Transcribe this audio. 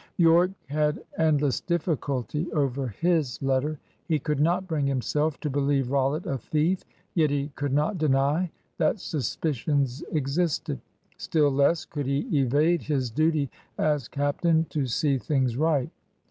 Yorke had endless difficulty over his letter. He could not bring himself to believe Rollitt a thief, yet he could not deny that suspicions existed. Still less could he evade his duty as captain to see things right.